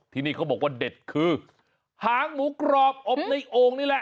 ที่นี่เขาบอกว่าเด็ดคือหางหมูกรอบอบในโอ่งนี่แหละ